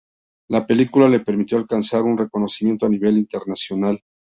La película le permitió alcanzar un reconocimiento a nivel nacional.